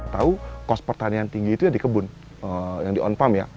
tahu kos pertanian tinggi itu ya di kebun yang di on pump ya